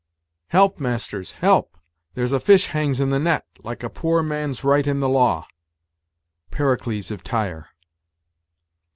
"Help, masters, help; here's a fish hangs in the net, like a poor Man's right in the law." Pericles of Tyre.